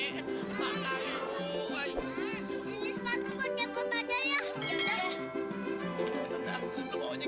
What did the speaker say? ini sepatu buat cepet aja ya